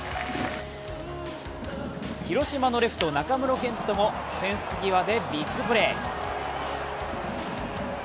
広島のレフト・中村健人もフェンス際でビッグプレー。